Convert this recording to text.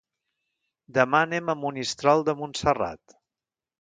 Demà anem a Monistrol de Montserrat.